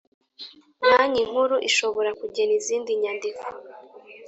Banki nkuru ishobora kugena izindi nyandiko